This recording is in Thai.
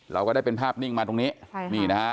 เราก็ได้เป็นภาพนิ่งมาตรงนี้